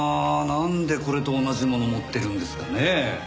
なんでこれと同じものを持ってるんですかね？